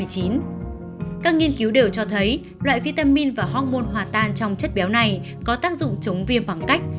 các nghiên cứu đều cho thấy loại vitamin và hongmon hòa tan trong chất béo này có tác dụng chống viêm bằng cách